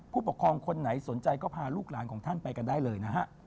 ผู้ปกครองคนไหนสนใจก็พาลูกหลานของท่านไปกันได้เลยนะฮะ